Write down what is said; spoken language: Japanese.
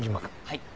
はい。